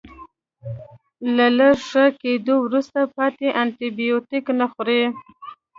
له لږ ښه کیدو وروسته پاتې انټي بیوټیک نه خوري.